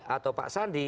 atau pak sandi